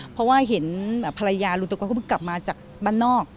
เพราะว่าเห็นภรรยารุตังกวยกลับมาจากบ้านนอก